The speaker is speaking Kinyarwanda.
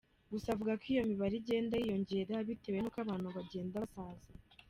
Gusa avuga ko iyo mibare igenda yiyongera bitewe n’uko abantu bagenda basaza.